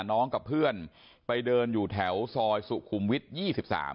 กับเพื่อนไปเดินอยู่แถวซอยสุขุมวิทยี่สิบสาม